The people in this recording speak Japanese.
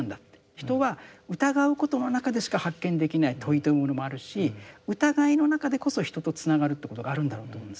人は疑うことの中でしか発見できない問いというものもあるし疑いの中でこそ人とつながるってことがあるんだろうと思うんですよ。